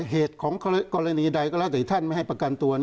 เหตุของกรณีใดก็แล้วแต่ท่านไม่ให้ประกันตัว